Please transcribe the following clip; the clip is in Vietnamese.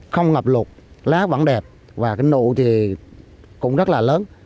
không ngập lụt lá vẫn đẹp và cái nụ thì cũng rất là lớn